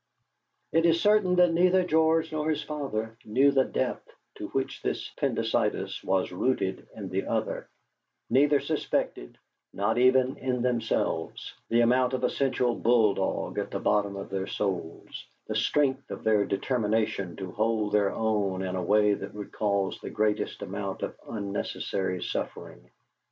It is certain that neither George nor his father knew the depth to which this "Pendycitis" was rooted in the other; neither suspected, not even in themselves, the amount of essential bulldog at the bottom of their souls, the strength of their determination to hold their own in the way that would cause the greatest amount of unnecessary suffering.